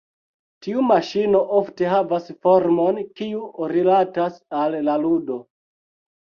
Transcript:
Tiu maŝino ofte havas formon kiu rilatas al la ludo.